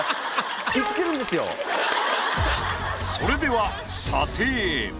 それでは査定。